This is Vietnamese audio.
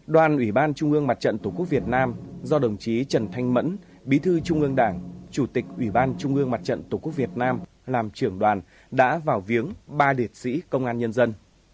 đoàn ủy ban trung ương mặt trận tổ quốc việt nam do đồng chí trần thanh mẫn bí thư trung ương đảng chủ tịch ủy ban trung ương mặt trận tổ quốc việt nam làm trưởng đoàn đã vào viếng ba liệt sĩ công an nhân dân